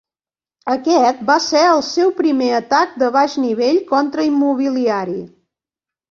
Aquest va ser el seu primer atac de baix nivell contra immobiliari.